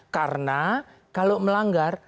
karena kalau melanggar